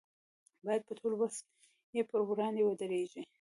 باید په ټول وس یې پر وړاندې ودرېږي.